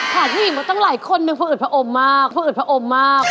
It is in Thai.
หาเธอหญิงมาตั้งหลายคนพูดอุดพะอมมากพูดอุดพะอมมาก